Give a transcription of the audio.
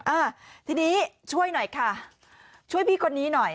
อ่าทีนี้ช่วยหน่อยค่ะช่วยพี่คนนี้หน่อย